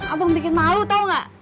abang bikin malu tau gak